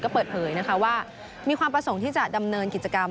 ก็เปิดเผยนะคะว่ามีความประสงค์ที่จะดำเนินกิจกรรม